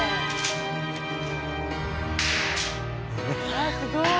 あっすごい。